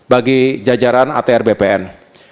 bagi jajaran atr bpn